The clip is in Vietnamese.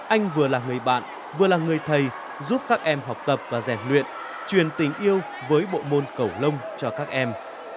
anh vừa là người bạn vừa là người thầy giúp các em học tập và rèn luyện truyền tình yêu với bộ môn cẩu lông cho các em